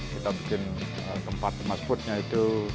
kita bikin tempat tempat seputnya itu